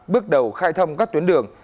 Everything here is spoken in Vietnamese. bước đầu khai thông các tuyến đường